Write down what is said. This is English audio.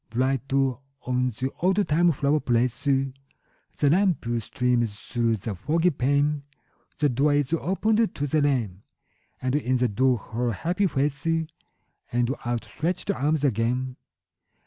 Bright on the oldtime flower place The lamp streams through the foggy pane; The door is opened to the rain: And in the door her happy face And outstretched arms again.